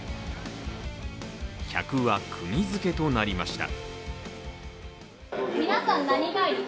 客はくぎづけとなりました。